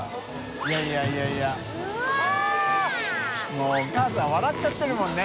發お母さん笑っちゃってるもんね。